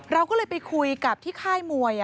เราก็เลยไปคุยกับที่ค่ายมวย